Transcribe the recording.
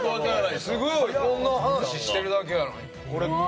すごい、こんな話してるだけやのに。